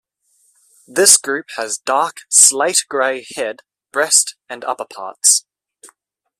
This group has dark slate-gray head, breast and upperparts.